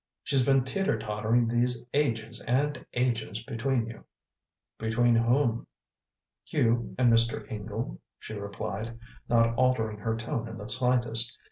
She's been teetertottering these AGES and AGES between you " "Between whom?" "You and Mr. Ingle," she replied, not altering her tone in the slightest.